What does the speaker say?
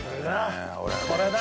これだ。